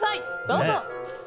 どうぞ。